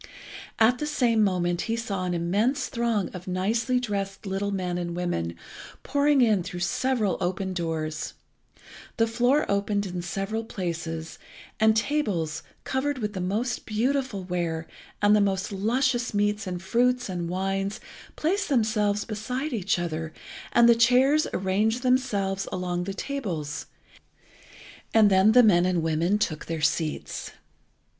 At the same moment he saw an immense throng of nicely dressed little men and women pouring in through several open doors. The floor opened in several places, and tables, covered with the most beautiful ware, and the most luscious meats and fruits and wines, placed themselves beside each other, and the chairs arranged themselves along the tables, and then the men and women took their seats.